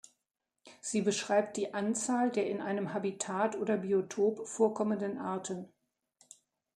Sie beschreibt die Anzahl der in einem Habitat oder Biotop vorkommenden Arten.